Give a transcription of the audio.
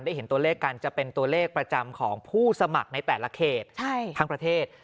เห็นตัวเลขกันจะเป็นตัวเลขประจำของผู้สมัครในแต่ละเขตทั้งประเทศ